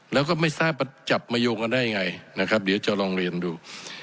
แล้วก็ไม่ทราบว่าจับมาโยงกันได้ยังไงนะครับเดี๋ยวจะลองเรียนดู